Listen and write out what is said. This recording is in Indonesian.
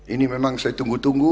ini memang saya tunggu tunggu